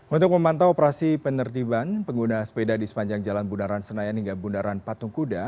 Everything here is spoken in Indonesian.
untuk memantau operasi penertiban pengguna sepeda di sepanjang jalan bundaran senayan hingga bundaran patung kuda